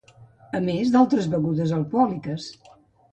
A més d'altres begudes alcohòliques.